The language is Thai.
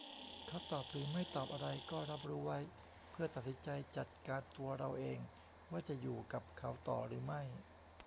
เขาตอบหรือไม่ตอบอะไร ก็รับรู้ไว้ เพื่อตัดสินใจจัดการตัวเราเอง ว่าจะ"อยู่"กับเขาต่อหรือไม่